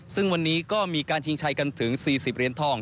ซึ่งวันนี้ก็มีการชิงชัยกันถึง๔๐เหรียญทอง